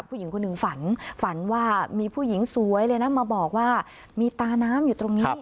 ผู้หญิงคนหนึ่งฝันฝันว่ามีผู้หญิงสวยเลยนะมาบอกว่ามีตาน้ำอยู่ตรงนี้